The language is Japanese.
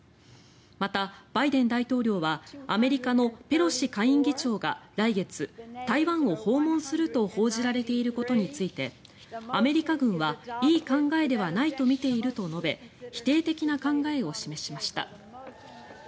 また、バイデン大統領はアメリカのペロシ下院議長が来月、台湾を訪問すると報じられていることについてアメリカ軍はいい考えではないとみていると述べ否定的な考えを示しました。